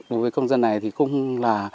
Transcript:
đối với công dân này thì cũng là